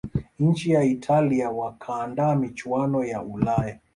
nchi ya italia wakaandaa michuano ya ulaya